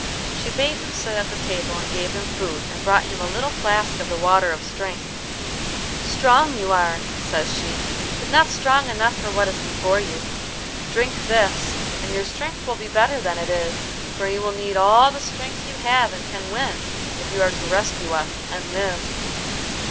She bade him sit at the table, and gave him food and brought him a little flask of the water of strength. "Strong you are," says she, "but not strong enough for what is before you. Drink this, and your strength will be greater than it is; for you will need all the strength you have and can win, if you are to rescue us and live."